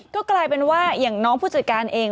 ก็กลายเป็นว่าอย่างน้องผู้จัดการเอง